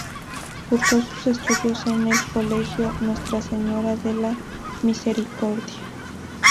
Cursó sus estudios en el colegio Nuestra Señora de la Misericordia.